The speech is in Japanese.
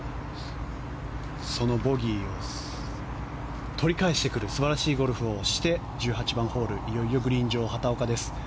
そのボギーを取り返してくる素晴らしいゴルフをして１８番ホールいよいよグリーン上、畑岡です。